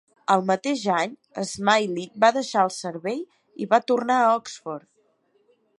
El mateix any, Smiley va deixar el Servei i va tornar a Oxford.